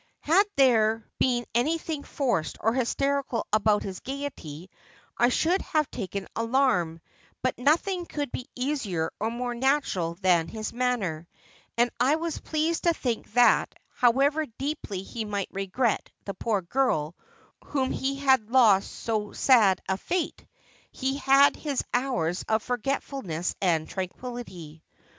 Had there been anything forced or hysterical about his gaiety I should have taken alarm : but nothing could be easier or more natural than his manner ; and I was pleased to think that, however deeply he might regret the poor girl whom he had lost by so sad a fate, he had his hours of forgetfulness and tranquillity.